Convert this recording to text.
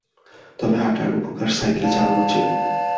তবে হাঁটার উপকার সাইকেল চালানোর চেয়ে কম।